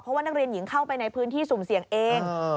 เพราะว่านักเรียนหญิงเข้าไปในพื้นที่สุ่มเสี่ยงเอง